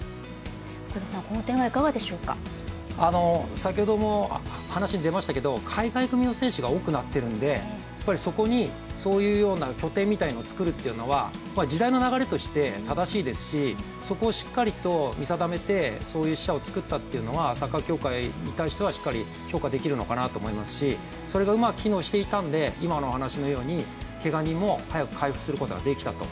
先ほども話に出ましたけど海外組の選手が多くなってるので、そこにそういうような拠点みたいなのを作るっていうのは時代の流れとして正しいですしそこをしっかりと見定めてそういう支社を作ったというのはサッカー協会に対してしっかり評価できるのかなと思いますしそれがうまく機能していたので今のお話のようにけが人も早く回復することができたと。